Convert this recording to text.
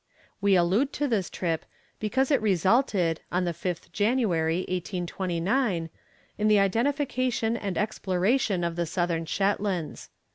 We allude to this trip because it resulted, on the 5th January, 1829, in the identification and exploration of the Southern Shetlands.